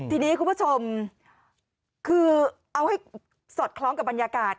ทีนี้คุณผู้ชมคือเอาให้สอดคล้องกับบรรยากาศ